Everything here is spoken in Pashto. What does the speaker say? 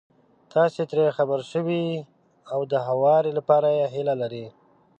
تاسې ترې خبر شوي او د هواري لپاره يې هيله لرئ.